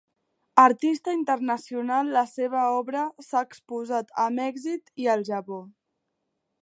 Artista internacional, la seva obra s'ha exposat a Mèxic i el Japó.